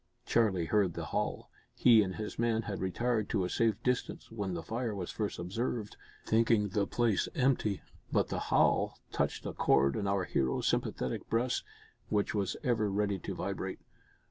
Charlie heard the howl. He and his men had retired to a safe distance when the fire was first observed thinking the place empty but the howl touched a chord in our hero's sympathetic breast, which was ever ready to vibrate.